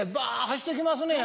走って来ますねや。